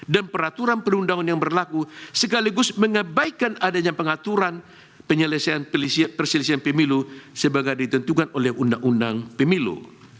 dan peraturan perundangan yang berlaku sekaligus mengebaikan adanya pengaturan persilihan pemilu sebagai ditentukan oleh undang undang pemilu